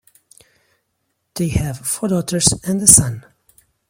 They have four daughters and a son.